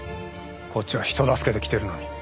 こっちは人助けで来てるのに。